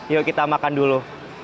yuk kita makan dulu